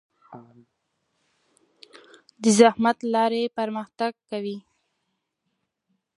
د زحمت له لارې پرمختګ کوي.